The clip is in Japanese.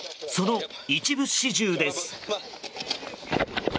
その一部始終です。